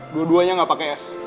dua duanya gak pake es